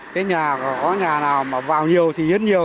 cái nhà có nhà nào mà vào nhiều thì hiến nhiều